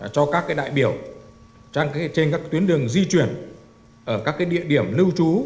cho các đại biểu trên các tuyến đường di chuyển ở các địa điểm lưu trú